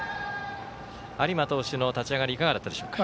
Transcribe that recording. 有馬投手の立ち上がりいかがだったでしょうか。